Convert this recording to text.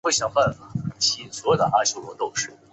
在中国由新汇集团上海声像出版社有限公司出版发行。